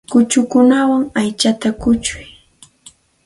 Kuchukuwan aychata kuchuy.